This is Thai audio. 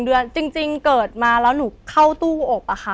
เดือนจริงเกิดมาแล้วหนูเข้าตู้อบอะค่ะ